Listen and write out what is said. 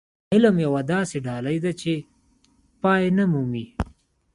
علم يوه داسې ډالۍ ده چې پای نه مومي.